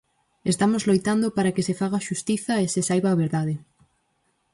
Estamos loitando para que se faga xustiza e se saiba a verdade.